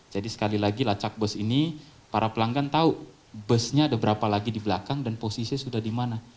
jadi sekali lagi lacak bus ini para pelanggan tahu busnya ada berapa lagi di belakang dan posisinya sudah di mana